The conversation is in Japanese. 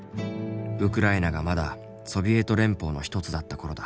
ウクライナがまだソビエト連邦の一つだった頃だ。